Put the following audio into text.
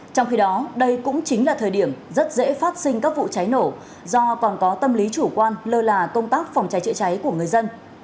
trong khi đó đây cũng chính là thời điểm rất dễ phát sinh các vụ cháy nổ do còn có tâm lý chủ quan lơ là công tác phòng cháy chữa cháy của người dân